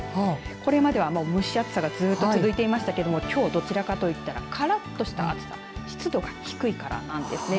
これまでは蒸し暑さがずっと続いていましたけれどもきょうはどちらかというとからっとした暑さ湿度が低いからなんですね。